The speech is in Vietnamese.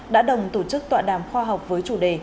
đã đồng tổ chức tọa đàm khoa học với chủ đề